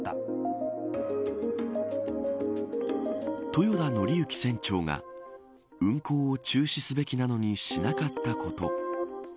豊田徳幸船長が運航を中止すべきなのにしなかったこと。